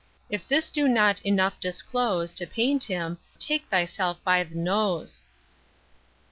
If this do not enough disclose, To paint him, take thyself by th' nose.